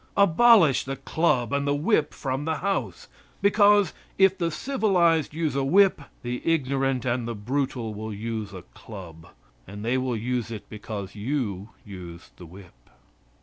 Abolish the club and the whip from the house, because, if the civilized use a whip, the ignorant and the brutal will use a club, and they will use it because you use the whip.